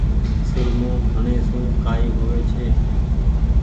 سرمو هڻي سون ڪآئي هووي ڇي۔